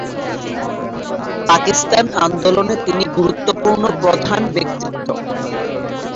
পাকিস্তান আন্দোলনে তিনি গুরুত্বপূর্ণ প্রধান ব্যক্তিত্ব।